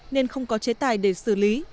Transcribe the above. nên không có chế tài để xử lý